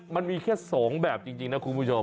มันมีแค่๒แบบจริงนะคุณผู้ชม